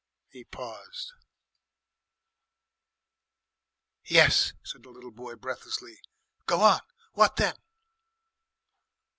He paused. "Yes," said the little boy breathlessly. "Go on. What then?"